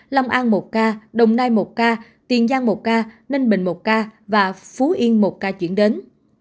long an một ca đồng nai một ca tiền giang một ca ninh bình một ca và phú yên một ca chuyển đến